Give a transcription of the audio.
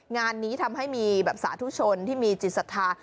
งานนี้ทำให้มีแบบสาธุชนที่มีจิตศรัทธา